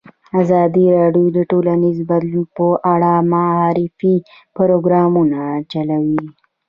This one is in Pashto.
ازادي راډیو د ټولنیز بدلون په اړه د معارفې پروګرامونه چلولي.